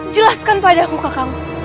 jelaskan padaku kakak